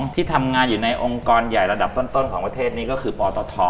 ที่ทำงานอยู่ในองค์กรใหญ่ระดับต้นของประเทศนี้ก็คือปตท